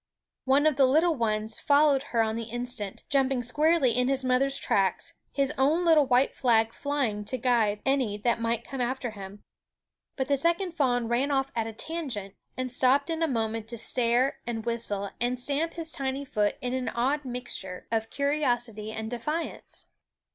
One of the little ones followed her on the instant, jumping squarely in his mother's tracks, his own little white flag flying to guide any that might come after him. But the second fawn ran off at a tangent, and stopped in a moment to stare and whistle and stamp his tiny foot in an odd mixture of curiosity and defiance.